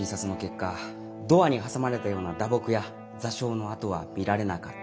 ドアに挟まれたような打撲や挫傷の痕は見られなかったと。